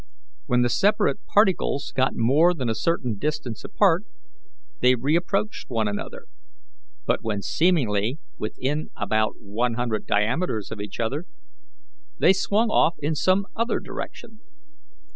When the separate particles got more than a certain distance apart they reapproached one another, but when seemingly within about one hundred diameters of each other they swung off in some other direction.